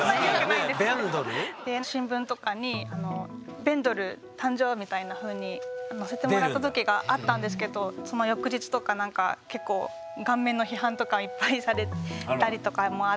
弁ドル⁉新聞とかに「弁ドル誕生」みたいなふうに載せてもらったときがあったんですけどその翌日とかなんか結構顔面の批判とかいっぱいされたりとかもあって。